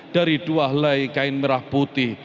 dari dua laikain merah bumi